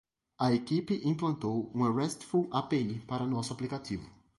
A equipe implementou uma RESTful API para nosso aplicativo.